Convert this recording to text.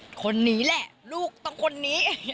คนนี้แหละลูกต้องคนนี้